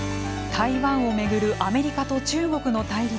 台湾を巡るアメリカと中国の対立。